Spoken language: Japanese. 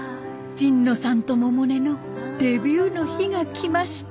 神野さんと百音のデビューの日が来ました。